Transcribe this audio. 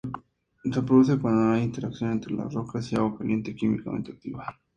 Se produce cuando hay una interacción entre las rocas y agua caliente químicamente activa.